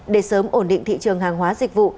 để sớm ổn định thị trường hàng hóa dịch vụ